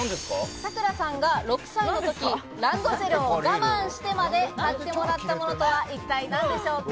さくらさんが６歳のとき、ランドセルを我慢してまで買ってもらったものとは、一体何でしょうか。